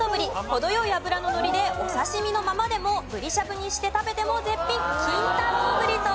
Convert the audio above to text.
程良い脂ののりでお刺し身のままでもぶりしゃぶにして食べても絶品金太郎ぶりと。